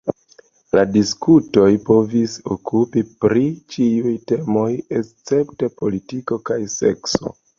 La diskutoj povis okupi pri ĉiuj temoj escepte politiko kaj sekso.